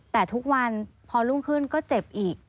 แต่ทุกวันพอรุ่งขึ้นก็เจ็บอีก